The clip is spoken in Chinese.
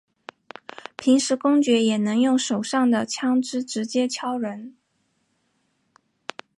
平时公爵也能用手上的枪枝直接敲人。